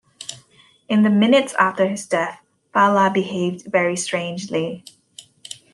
In the minutes after his death, Fala behaved very strangely.